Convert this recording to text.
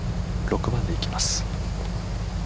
６番でいきます。